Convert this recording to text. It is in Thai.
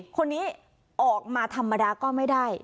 คนนี้ออกมาธรรมดาก็ไม่ได้